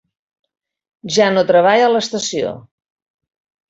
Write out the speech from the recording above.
Ja no treballa a l'estació.